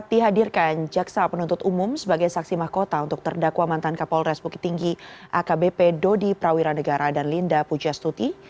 dihadirkan jaksa penuntut umum sebagai saksi mahkota untuk terdakwa mantan kapolres bukit tinggi akbp dodi prawira negara dan linda pujastuti